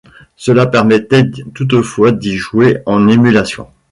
Cela permettait toutefois d'y jouer en émulation.